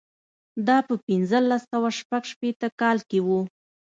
دا په پنځلس سوه شپږ شپېته کال کې و.